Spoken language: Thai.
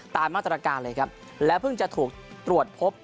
ตามมาตรการเลยครับและเพิ่งจะถูกตรวจพบ